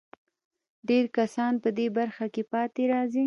ډېر کسان په دې برخه کې پاتې راځي.